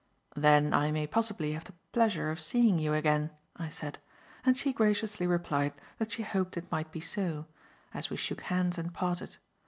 "Then I may possibly have the pleasure of seeing you again," I said, and she graciously replied that she hoped it might be so, as we shook hands and parted.